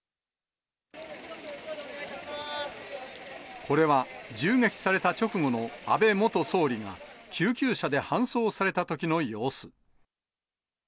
ふらっと来て、これは、銃撃された直後の安倍元総理が救急車で搬送されたときの様子。